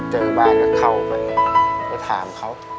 เจอบ้านก็เข้าไปเลยก็ถามเค้า